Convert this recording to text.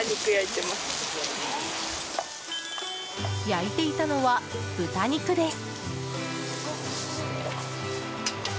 焼いていたのは豚肉です。